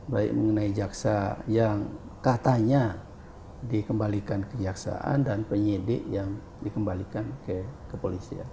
baik mengenai jaksa yang katanya dikembalikan kejaksaan dan penyidik yang dikembalikan ke kepolisian